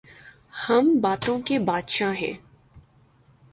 ہم باتوں کے بادشاہ ہیں۔